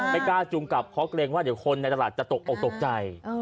กล้าจูงกลับเพราะเกรงว่าเดี๋ยวคนในตลาดจะตกออกตกใจ